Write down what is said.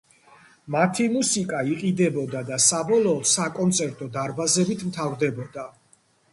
მათი მუსიკა იყიდებოდა და საბოლოოდ საკონცერტო დარბაზებით მთავრდებოდა.